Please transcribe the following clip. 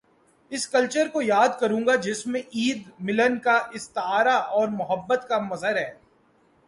اس culture کو یاد کروں گا جس میں عید، ملن کا استعارہ اور محبت کا مظہر ہے۔